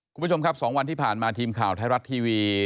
คุณผู้ชมครับ๒วันที่ผ่านมาทีมข่าวไทยรัฐทีวี